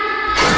masa sih adam